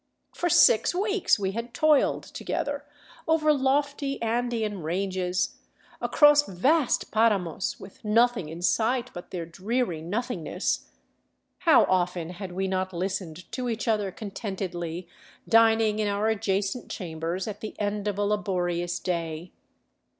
For six weeks we had toiled together over lofty Andean ranges, across vast paramos with nothing ux sight but their dreary nothingness. How often had we not listened to each other con tentedly dining in our adjacent chambers at the end of a laborious day?